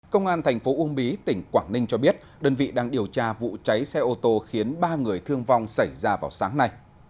công an thành phố uông bí tỉnh quảng ninh cho biết đơn vị đang điều tra vụ cháy xe ô tô khiến ba người thương vong xảy ra vào sáng nay